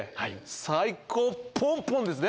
最高ポンポンですね！